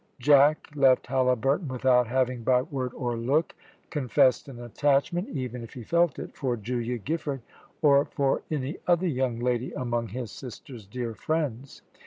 Jack left Halliburton without having, by word or look, confessed an attachment, even if he felt it, for Julia Giffard, or for any other young lady among his sisters' dear friends.